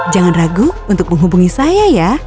jangan ragu untuk menghubungi saya ya